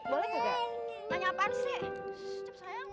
boleh juga nanya apaan sih